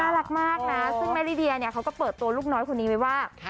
รักมากนะซึ่งแม่ลิเดียเนี่ยเขาก็เปิดตัวลูกน้อยคนนี้ไว้ว่า